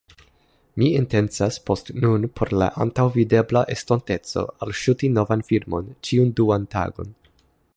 Mi intencas post nun por la antaŭvidebla estonteco alŝuti novan filmon ĉiun duan tagon